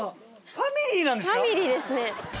ファミリーですね。